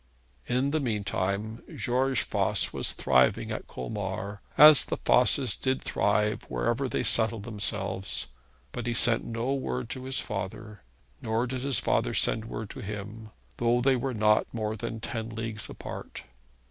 In the mean time George Voss was thriving at Colmar, as the Vosses did thrive wherever they settled themselves. But he sent no word to his father, nor did his father send word to him, though they were not more than ten leagues apart.